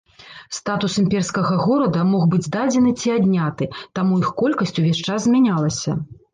Статус імперскага горада мог быць дадзены ці адняты, таму іх колькасць увесь час змянялася.